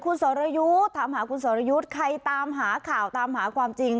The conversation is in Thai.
คุณสรยุทธ์ถามหาคุณสรยุทธ์ใครตามหาข่าวตามหาความจริง